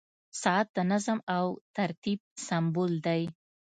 • ساعت د نظم او ترتیب سمبول دی.